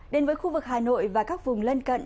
đến với khu vực hà nội và các vùng lân cận